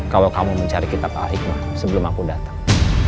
kalau kamu mencari kitab al hikmah sebelum aku datang